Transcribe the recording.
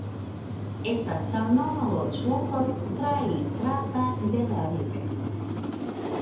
Estas samnoma loĝloko traitrata de la rivero.